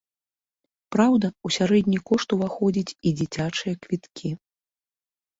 Праўда, у сярэдні кошт уваходзяць і дзіцячыя квіткі.